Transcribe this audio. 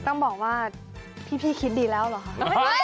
ต้องบอกว่าพี่คิดดีแล้วเหรอคะ